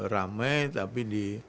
rame tapi di